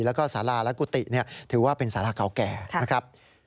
แล้วก็สาราและกุฏิถือว่าเป็นสาราเก่าแก่นะครับ